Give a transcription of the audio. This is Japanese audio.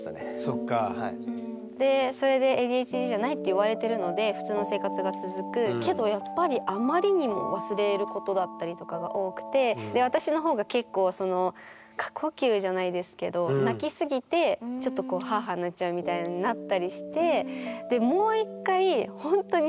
言われてるので普通の生活が続くけどやっぱりあまりにも忘れることだったりとかが多くてで私の方が結構過呼吸じゃないですけど泣きすぎてちょっとハアハアなっちゃうみたいなのになったりしてでもう一回ほんとに。